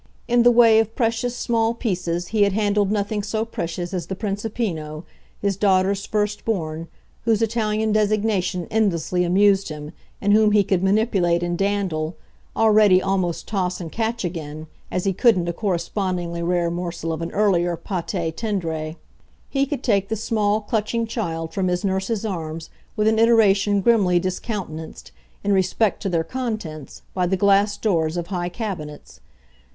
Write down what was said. In the way of precious small pieces he had handled nothing so precious as the Principino, his daughter's first born, whose Italian designation endlessly amused him and whom he could manipulate and dandle, already almost toss and catch again, as he couldn't a correspondingly rare morsel of an earlier pate tendre. He could take the small clutching child from his nurse's arms with an iteration grimly discountenanced, in respect to their contents, by the glass doors of high cabinets.